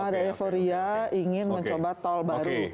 ada euforia ingin mencoba tol baru